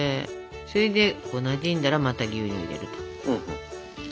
それでなじんだらまた牛乳を入れると。